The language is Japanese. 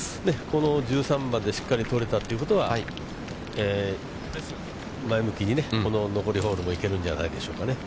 この１３番でしっかり取れたということは、前向きに残りホールも行けるんじゃないでしょうかね。